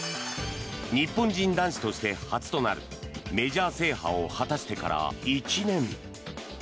日本人男子として初となるメジャー制覇を果たしてから１年。